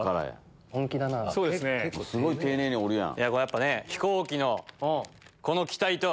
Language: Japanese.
すごい丁寧に折るやん。